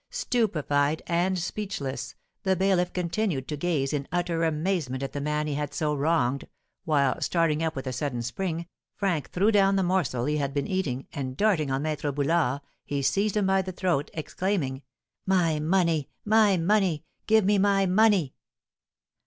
Stupefied and speechless, the bailiff continued to gaze in utter amazement at the man he had so wronged, while, starting up with a sudden spring, Frank threw down the morsel he had been eating, and darting on Maître Boulard, he seized him by the throat, exclaiming, "My money my money; give me my money!"